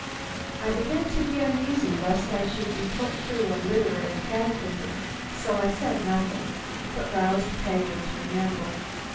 I began to be uneasy lest I should be put through a literary catechism, so I said nothing, but roused Peg into an amble.